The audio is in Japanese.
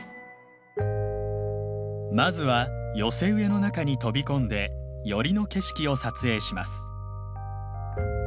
まずは寄せ植えの中に飛び込んで寄りの景色を撮影します。